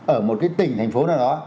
ở một cái tỉnh thành phố nào đó